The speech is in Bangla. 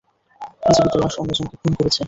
জীবিত লাশ অন্যজনকে খুন করেছে।